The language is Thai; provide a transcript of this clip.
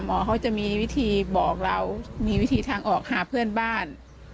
หมอเขาจะมีวิธีบอกเรามีวิธีทางออกหาเพื่อนบ้าน